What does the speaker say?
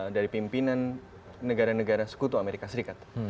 dari pimpinan negara negara sekutu amerika serikat